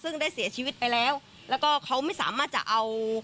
ซึ่งได้เสียชีวิตไปแล้วแล้วก็เขาไม่สามารถจะเอา